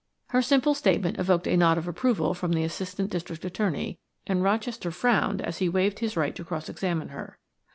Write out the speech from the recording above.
Her simple statement evoked a nod of approval from the Assistant District Attorney, and Rochester frowned as he waived his right to cross examine her.